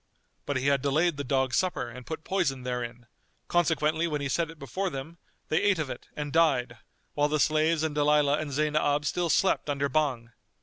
But he had delayed the dogs' supper and put poison therein; consequently when he set it before them, they ate of it and died while the slaves and Dalilah and Zaynab still slept under Bhang.